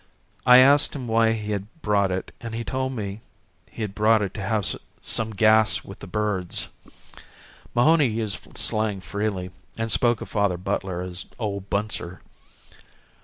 I asked him why he had brought it and he told me he had brought it to have some gas with the birds. Mahony used slang freely, and spoke of Father Butler as Old Bunser.